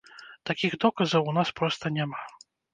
Такіх доказаў у нас проста няма.